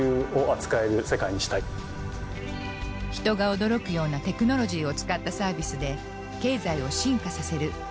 人が驚くようなテクノロジーを使ったサービスで経済を進化させる。